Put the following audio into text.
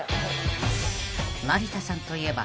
［成田さんといえば］